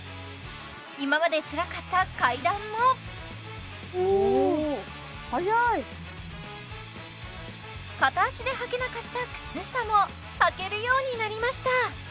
今までつらかった階段もおお早い片足ではけなかった靴下もはけるようになりました